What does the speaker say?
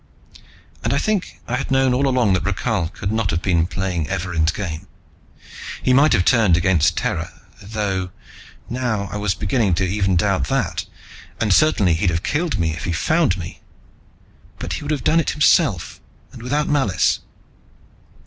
And I think I had known all along that Rakhal could not have been playing Evarin's game. He might have turned against Terra though now I was beginning even to doubt that and certainly he'd have killed me if he found me. But he would have done it himself, and without malice.